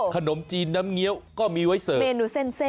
ขนมจีนน้ำเงี้ยวก็มีไว้เสิร์ฟเมนูเส้น